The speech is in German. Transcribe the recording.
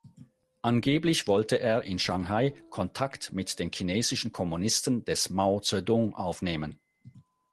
Angeblich wollte er in Shanghai Kontakt mit den chinesischen Kommunisten des Mao Zedong aufnehmen.